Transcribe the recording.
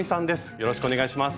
よろしくお願いします。